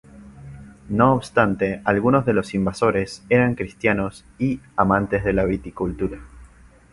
No obstante algunos de los invasores eran cristianos y eran amantes de la viticultura.